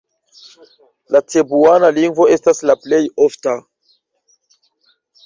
La cebuana lingvo estas la plej ofta.